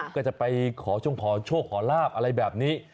ก็จะไปขอช่วงขอโชคขอลาบอะไรแบบนี้